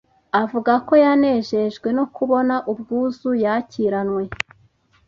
Avuga ko yanejejwe no kubona ubwuzu yakiranywe